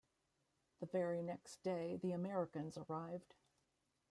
The very next day the Americans arrived.